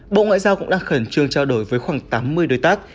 bộ ngoại giao cũng đang khẩn trương trao đổi với khoảng tám mươi đối tác